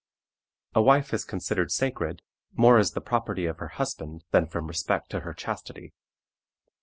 A wife is considered sacred, more as the property of her husband than from respect to her chastity.